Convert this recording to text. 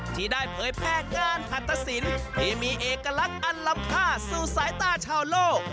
ที่ได้เผยแพร่งานหัตตสินที่มีเอกลักษณ์อันลำค่าสู่สายตาชาวโลก